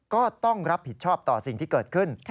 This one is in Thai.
ก็ต้องรับผิดชอบต่อสิ่งที่เกิดขึ้น